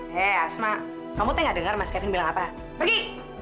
hei asma kamu teh gak dengar mas kevin bilang apa pergi